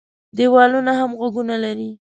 ديوالونه هم غوږونه لري.